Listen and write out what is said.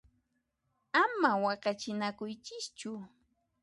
Ama waqachinakuychischu!